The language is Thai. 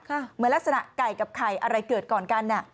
เหมือนลักษณะไก่กับไข่อะไรเกิดก่อนกัน